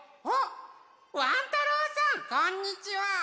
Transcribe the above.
あっワン太郎さんこんにちは。